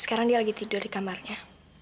sekarang dia lagi tidur di kamarnya